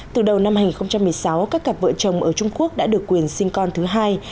từ đầu năm hai nghìn một mươi sáu các cặp vợ chồng ở trung quốc đã được quyền sinh con thứ hai